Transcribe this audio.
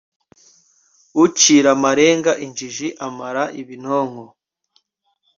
Ucira amarenga injiji ,amara ibinonko